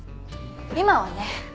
今はね。